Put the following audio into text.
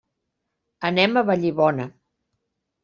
Anem a Vallibona.